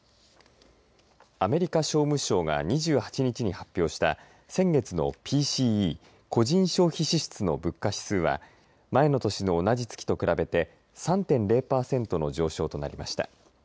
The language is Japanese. アメリカ商務省が２８日に発表した先月のＰＣＥ個人消費支出の物価指数は前の年の同じ月と比べて３．０パーセントの上昇となりました。